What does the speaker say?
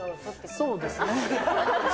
そうですね。